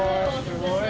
すごい。